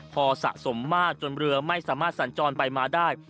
พอสะสมมากจนเรือไม่สามารถสัญจรไปมาได้